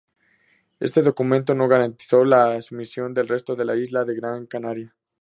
Este documento no garantizó la sumisión del resto de la isla de Gran Canaria.